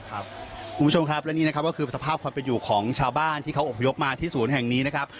คุณผู้ชมครับและนี่นะครับก็คือสภาพความเป็นอยู่ของชาวบ้านที่เขาอบพยพมาที่ศูนย์แห่งนี้นะครับ